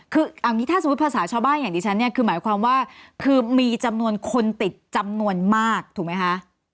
คือเอางี้ถ้าสมมุติภาษาชาวบ้านอย่างดิฉันเนี่ยคือหมายความว่าคือมีจำนวนคนติดจำนวนมากถูกไหมคะ